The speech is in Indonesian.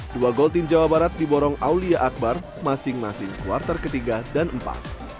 dua gol tim jawa barat diborong aulia akbar masing masing kuartal ketiga dan empat